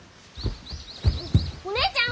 お姉ちゃん